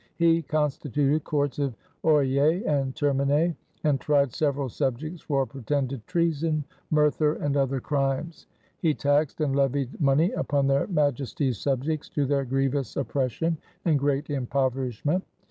He constituted Courts of Oyer and Terminer, and tryed severall subjects for pretended treason, murther and other crimes. He taxed and levied monney upon their Majesties subjects to their grievous oppression and great impoverishment.